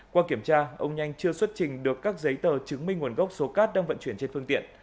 qua kiểm tra ông nhanh chưa xuất trình được các giấy tờ chứng minh nguồn gốc số cát đang vận chuyển trên phương tiện